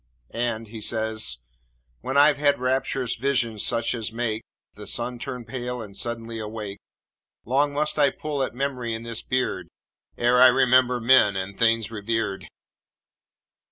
And he says: When I've had rapturous visions such as make The sun turn pale, and suddenly awake, Long must I pull at memory in this beard, Ere I remember men and things revered.